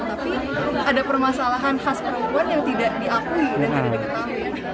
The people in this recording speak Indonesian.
tapi ada permasalahan khas perempuan yang tidak diakui dan tidak diketahui